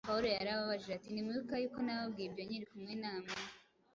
Pawulo yarababajije ati: “Ntimwibuka yuko nababwiye ibyo nkiri kumwe namwe?”